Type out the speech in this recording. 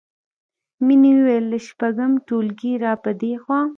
مینې وویل له شپږم ټولګي راپدېخوا